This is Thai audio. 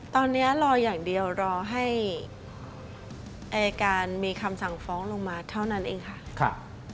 ตอนนี้รออย่างเดียวรอให้อายการมีคำสั่งฟ้องลงมาเท่านั้นเองค่ะ